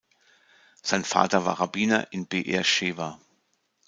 Sein Vater war Rabbiner in Be’er Scheva.